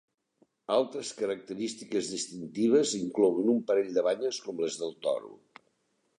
Altres característiques distintives inclouen un parell de banyes com les del toro.